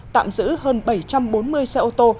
tạm giữ hơn bảy trăm bốn mươi xe ô tô